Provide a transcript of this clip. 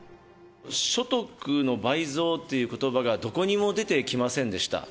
所得の倍増ということばがどこにも出てきませんでした。